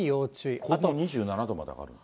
甲府２７度まで上がるの。